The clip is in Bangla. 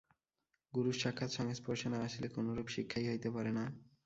গুরুর সাক্ষাৎ সংস্পর্শে না আসিলে কোনরূপ শিক্ষাই হইতে পারে না।